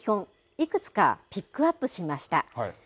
いくつかピックアップしました。